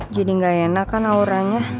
jadi gak enak kan auranya